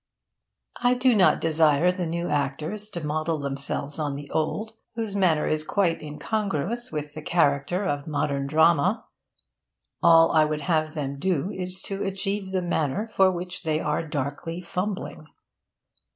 I do not desire the new actors to model themselves on the old, whose manner is quite incongruous with the character of modern drama. All I would have them do is to achieve the manner for which they are darkly fumbling.